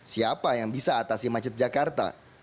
siapa yang bisa atasi macet jakarta